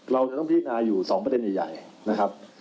เราจะต้องพิจารณาอยู่๒ประเด็นใหญ่นะครับ